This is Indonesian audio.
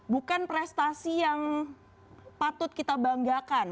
bukan prestasi yang patut kita banggakan